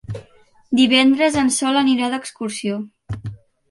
Divendres en Sol anirà d'excursió.